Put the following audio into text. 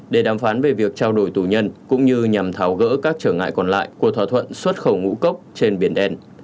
để đàm phán về việc trao đổi tù nhân cũng như nhằm tháo gỡ các trở ngại còn lại của thỏa thuận xuất khẩu ngũ cốc trên biển đen